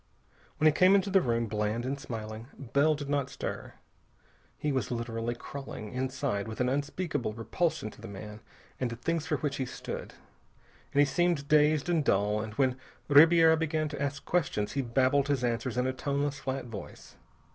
When he came into the room, bland and smiling, Bell did not stir. He was literally crawling, inside, with an unspeakable repulsion to the man and the things for which he stood. But he seemed dazed and dull, and when Ribiera began to ask questions he babbled his answers in a toneless, flat voice.